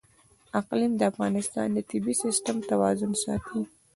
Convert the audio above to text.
اقلیم د افغانستان د طبعي سیسټم توازن ساتي.